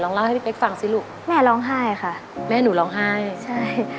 เล่าให้พี่เป๊กฟังสิลูกแม่ร้องไห้ค่ะแม่หนูร้องไห้ใช่